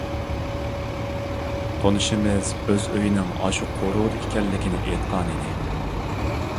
تونۇشمىز ئۆز ئۆيىنىڭ ئاشۇ قورۇدا ئىكەنلىكىنى ئېيتقانىدى.